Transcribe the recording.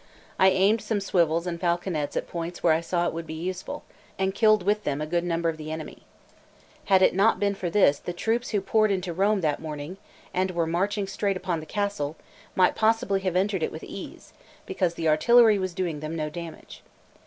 I aimed some swivels and falconets at points where I saw it would be useful, and killed with them a good number of the enemy. Had it not been for this, the troops who poured into Rome that morning, and were marching straight upon the castle, might possibly have entered it with ease, because the artillery was doing them no damage.